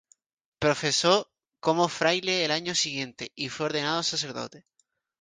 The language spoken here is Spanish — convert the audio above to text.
Profesó como fraile al año siguiente y fue ordenado sacerdote.